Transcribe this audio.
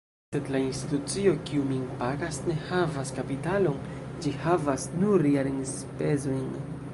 Sed la institucio, kiu min pagas, ne havas kapitalon; ĝi havas nur jarenspezojn.